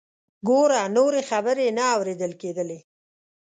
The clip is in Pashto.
ګوره…. نورې خبرې یې نه اوریدل کیدلې.